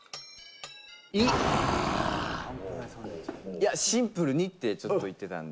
いやシンプルにってちょっと言ってたんで。